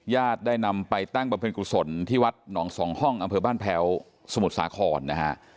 ได้นำไปตั้งบำเพ็ญกุศลที่วัดหนองสองห้องอำเภอบ้านแพ้วสมุทรสาครนะฮะ